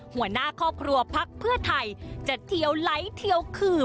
หัวหน้าครอบครัวพักเพื่อไทยจะเทียวไหลเทียวขืบ